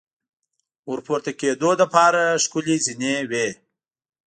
ور پورته کېدو لپاره ښکلې زینې وې.